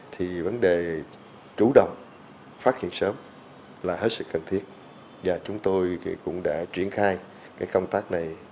thì vấn đề chủ động phát hiện sớm là hết sức cần thiết và chúng tôi cũng đã triển khai cái công tác này